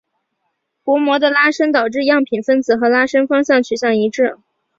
薄膜的拉伸导致样品分子和拉伸方向取向一致。